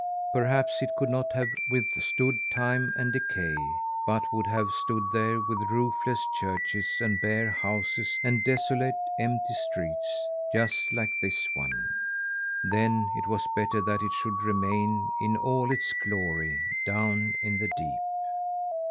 Perhaps it could not have withstood time and decay, but would have stood there with roofless churches and bare houses and desolate, empty streets just like this one. Then it was better that it should remain in all its glory down in the deep.